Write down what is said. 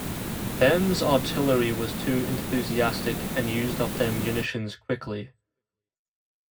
Bem's artillery was too enthusiastic and used up their munitions quickly.